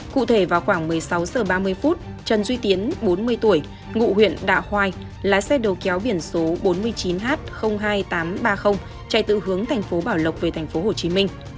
cụ thể vào khoảng một mươi sáu h ba mươi trần duy tiến bốn mươi tuổi ngụ huyện đạo hoài lái xe đầu kéo biển số bốn mươi chín h hai nghìn tám trăm ba mươi chạy tự hướng thành phố bảo lộc về thành phố hồ chí minh